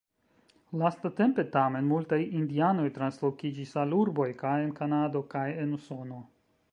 Lastatempe tamen multaj indianoj translokiĝis al urboj, kaj en Kanado, kaj en Usono.